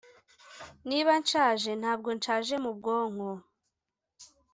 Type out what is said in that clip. niba nshaje ntabwo nshaje mu bwonko